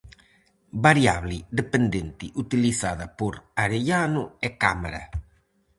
Variable dependente utilizada por Arellano e Cámara.